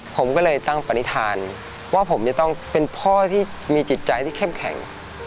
ผมก็เลยตั้งปณิธานว่าผมจะต้องเป็นพ่อที่มีจิตใจที่เข้มแข็ง